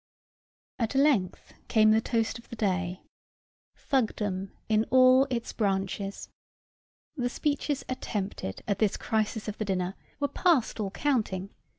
At length came the toast of the day Thugdom in all its branches. The speeches attempted at this crisis of the dinner were past all counting.